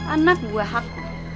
anak buah aku